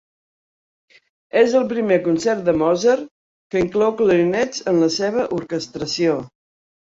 És el primer concert de Mozart que inclou clarinets en la seva orquestració.